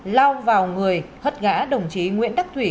lao vào người hất ngã đồng chí nguyễn đắc thủy